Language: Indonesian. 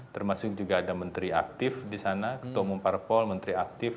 termasuk juga ada menteri aktif di sana ketua umum parpol menteri aktif